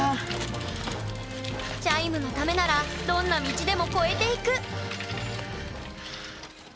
チャイムのためならどんな道でも越えていく！